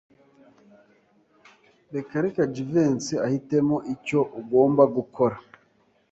Reka Reka Jivency ahitemo icyo ugomba gukora.